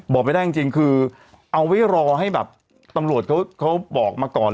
บอกไม่ได้จริงคือเอาไว้รอให้แบบตำรวจเขาบอกมาก่อน